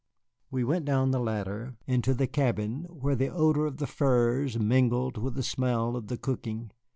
We went down the ladder into the cabin, where the odor of the furs mingled with the smell of the cooking.